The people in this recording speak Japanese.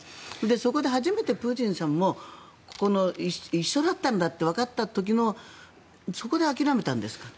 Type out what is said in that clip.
そこで初めてプーチンさんもここの、一緒だったんだってわかった時のそこで諦めたんですかね。